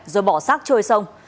rồi bỏ sát trôi sông